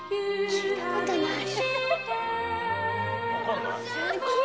聞いたことない。